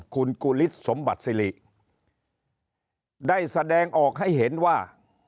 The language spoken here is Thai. คุณกุฤษสมบัติศิริได้แสดงออกให้เห็นว่า